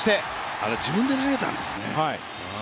あれ、自分で投げたんですね